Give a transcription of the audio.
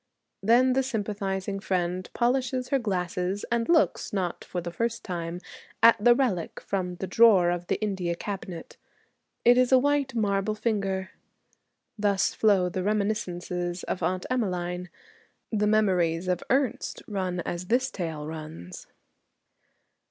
Then the sympathizing friend polishes her glasses and looks, not for the first time, at the relic from the drawer of the India cabinet. It is a white marble finger. Thus flow the reminiscences of Aunt Emmeline. The memories of Ernest run as this tale runs.